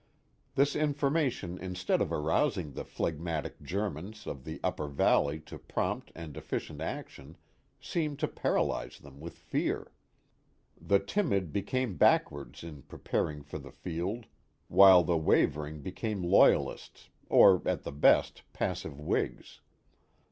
This information instead of arousing the phlegmatic Germans of the upper valley to prompt and effi cient action, seemed to paralyze them with fear. The timid became backward in preparing for the field, while the wavering became Loyalists, or at the best passive Whigs.